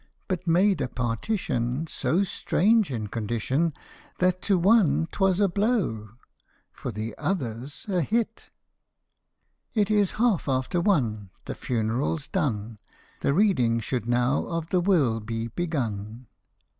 But made a partition So strange in condition That to one 't was a blow for the others a hit ! It is half after one, The funeral's done, The reading should now of the will be begun.